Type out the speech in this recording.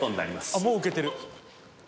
あっもうウケてる。